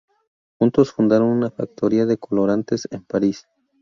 Juntos fundaron una factoría de colorantes en París.